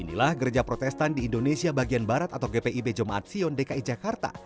inilah gereja protestan di indonesia bagian barat atau gpib jomaat sion dki jakarta